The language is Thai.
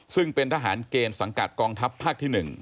ซึ่งเป็นทหารเกณฑ์สังกัดกองทัพภาคที่๑